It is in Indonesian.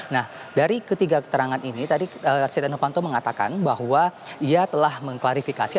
nah dari ketiga keterangan ini tadi setia novanto mengatakan bahwa ia telah mengklarifikasi